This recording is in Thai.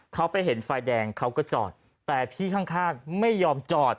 เขาไปเห็นไฟแดงเขาก็จอดแต่พี่ข้างไม่ยอมจอด